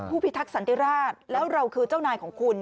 พิทักษันติราชแล้วเราคือเจ้านายของคุณ